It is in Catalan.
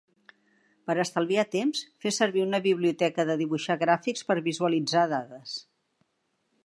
Per estalviar temps, fes servir una biblioteca de dibuixar gràfics per visualitzar dades.